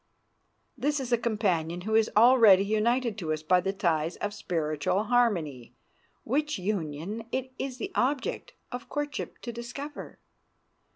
This is a companion who is already united to us by the ties of spiritual harmony, which union it is the object of courtship to discover.